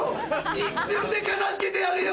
一瞬で片付けてやるよ！